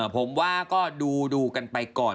ผมว่าก็ดูกันไปก่อน